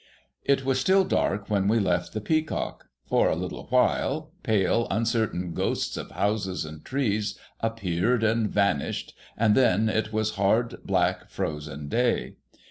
It was still dark when we left the Peacock. For a little while, pale, uncertain ghosts of houses and trees appeared and vanished, and then it was hard, black, frozen day.